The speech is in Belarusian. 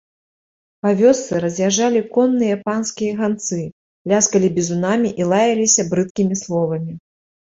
Па вёсцы раз'язджалі конныя панскія ганцы, ляскалі бізунамі і лаяліся брыдкімі словамі.